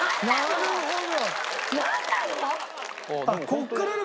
なるほど。